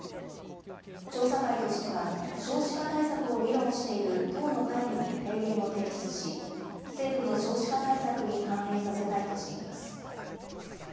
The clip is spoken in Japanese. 調査会としては、少子化対策を議論している党の会議に提言を提出し、政府の少子化対策に反映させたいとしています。